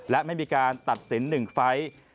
และไม่มีการตัดสิน๑ไฟล์